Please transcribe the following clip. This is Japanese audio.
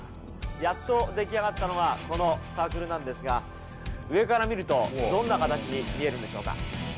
やっと出来上がったのが、このサークルなんですが、上から見ると、どんな形に見えるんでしょうか。